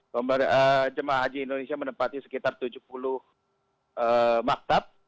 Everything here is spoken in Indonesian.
jemaah haji indonesia menempati sekitar tujuh puluh maktab